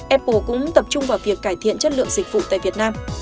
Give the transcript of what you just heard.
apple cũng tập trung vào việc cải thiện chất lượng dịch vụ tại việt nam